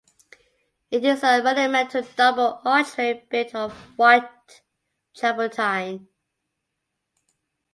It is a monumental double archway built of white travertine.